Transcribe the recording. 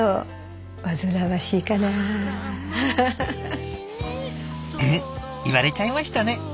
「フフ言われちゃいましたね。